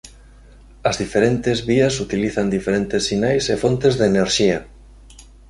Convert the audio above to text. As diferentes vías utilizan diferentes sinais e fontes de enerxía.